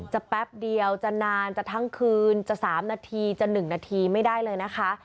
แป๊บเดียวจะนานจะทั้งคืนจะ๓นาทีจะ๑นาทีไม่ได้เลยนะคะ